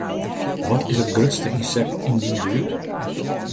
Wat is it grutste ynsekt yn dyn buert?